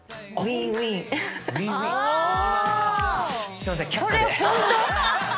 すいません。